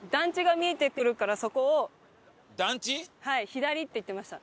左って言ってました。